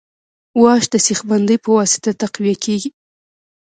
واش د سیخ بندۍ په واسطه تقویه کیږي